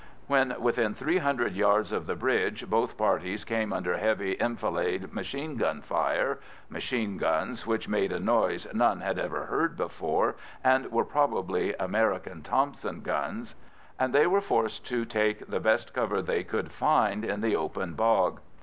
When within three hundred yards of the bridge both parties came under heavy enfilade machine gun fire—machine guns which made a noise none had ever heard before, and were probably American Thompson guns,—and they were forced to take the best cover they could find in the open bog.